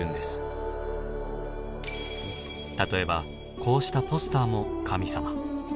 例えばこうしたポスターも神様。